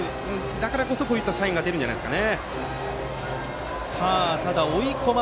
だからこそ、こういったサインが出ると思います。